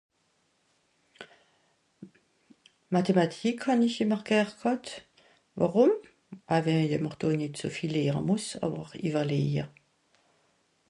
mathematik haw ich gern g'hat